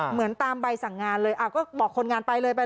เหมือนตามใบสั่งงานเลยก็บอกคนงานไปเลยไป